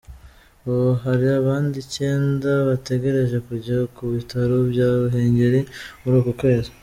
Ubu hari abandi icyenda bategereje kujya ku bitaro bya Ruhengeri muri uku kwezi.